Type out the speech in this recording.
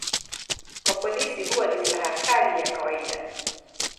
Kwa polisi huwa ni silaha kali ya kawaida.